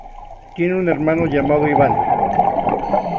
Tiene un hermano llamado Iván.